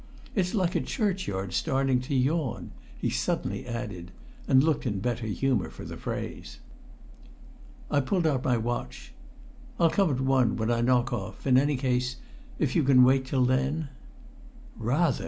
"It's like a churchyard starting to yawn!" he suddenly added, and looked in better humour for the phrase. I pulled out my watch. "I'll come at one, when I knock off in any case, if you can wait till then." "Rather!"